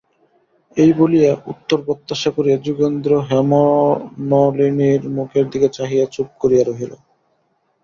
এই বলিয়া উত্তর প্রত্যাশা করিয়া যোগেন্দ্র হেমনলিনীর মুখের দিকে চাহিয়া চুপ করিয়া রহিল।